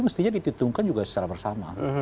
mestinya dititungkan juga secara bersama